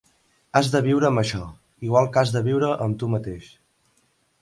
Has de viure amb això, igual que has de viure amb tú mateix.